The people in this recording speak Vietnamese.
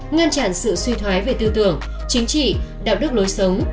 ngăn chặn sự suy thoái về tư tưởng chính trị đạo đức lối sống